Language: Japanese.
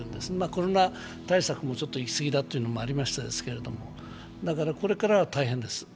コロナ対策も行きすぎだというのもありましたけれども、これからは大変です。